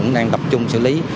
cũng đang tập trung xử lý